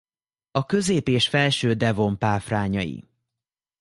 A közép- és felső devon páfrányai.